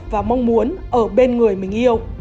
và mong muốn ở bên người mình yêu